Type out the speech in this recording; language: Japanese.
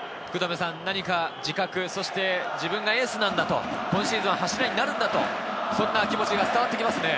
何か自覚、自分がエースなんだ、今シーズン柱になるんだ、そんな気持ちが伝わってきますね。